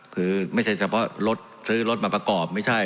คือไม่ใช่เฉพาะรถซื้อรถมาประกอบไม่ใช่